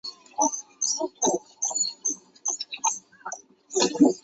高筒防水胶靴是一种最初设计给河流渔民使用的靴子。